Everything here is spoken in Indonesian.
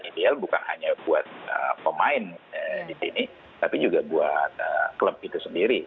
ideal bukan hanya buat pemain di sini tapi juga buat klub itu sendiri